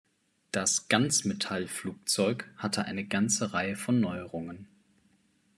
Das Ganzmetall-Flugzeug hatte eine ganze Reihe von Neuerungen.